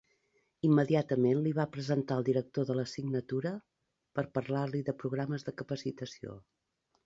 Immediatament li va presentar al director de la signatura per parlar-li de programes de capacitació.